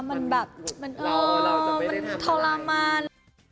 มันแบบมันทรมาน